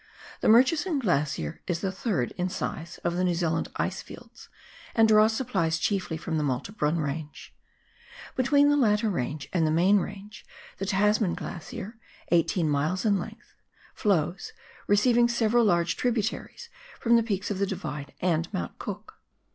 The Murchison Glacier is the third in size of the New Zealand icefields, and draws supplies chiefly from the Malte Brun Range. Between the latter range and the main range, the Tasman Glacier, eighteen miles in length, flows, receiving several large tributaries from the peaks of the Divide and Mount Cook.